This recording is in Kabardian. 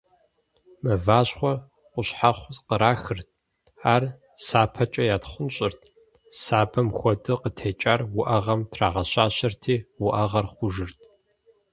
Мыващхъуэр къущхьэхъу кърахырт, ар сапэкӀэ ятхъунщӀырт, сабэм хуэдэу къытекӀар уӀэгъэм трагъэщащэрти, уӀэгъэр хъужырт.